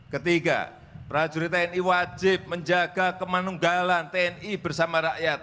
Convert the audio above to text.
ketiga prajurit tni wajib menjaga kemanunggalan tni bersama rakyat